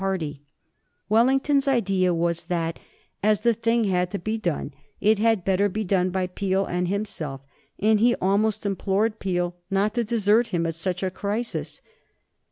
[Sidenote: 1828 The Oath of Supremacy] Wellington's idea was that, as the thing had to be done, it had better be done by Peel and himself, and he almost implored Peel not to desert him at such a crisis.